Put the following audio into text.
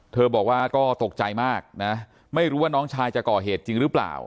บอกว่าก็ตกใจมากนะไม่รู้ว่าน้องชายจะก่อเหตุจริงหรือเปล่า